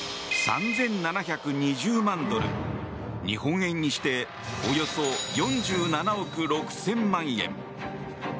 ３７２０万ドル、日本円にしておよそ４７億６０００万円。